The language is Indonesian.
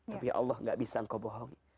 tapi ya allah gak bisa engkau bohongi